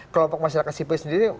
kelompok masyarakat sipil sendiri